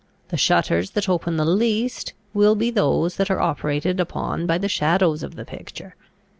The shutters that open the least will be those that are operated upon by the shadows of the picture.